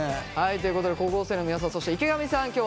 はいということで高校生の皆さんそして池上さん